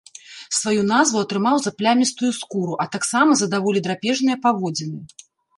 Сваю назву атрымаў за плямістую скуру, а таксама за даволі драпежныя паводзіны.